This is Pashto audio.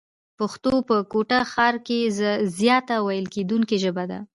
پښتو په کوټه ښار کښي زیاته ويل کېدونکې ژبه ده.